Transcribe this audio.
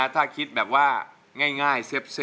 ถ้าคิดแบบว่าง่ายเซ